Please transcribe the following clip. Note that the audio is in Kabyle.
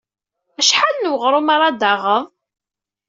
Acḥal n weɣrum ara d-taɣeḍ?